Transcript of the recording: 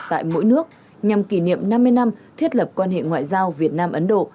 tại mỗi nước nhằm kỷ niệm năm mươi năm thiết lập quan hệ ngoại giao việt nam ấn độ